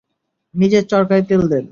নিজের চরকায় তেল দেন!